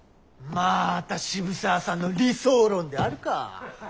まぁた渋沢さんの理想論であるか。